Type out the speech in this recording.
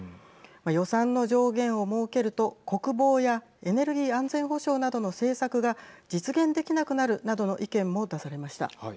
予算の上限を設けると国防やエネルギー安全保障などの政策が実現できなくなるなどの意見も出されました。